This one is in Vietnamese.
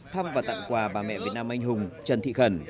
thăm và tặng quà bà mẹ việt nam anh hùng trần thị khẩn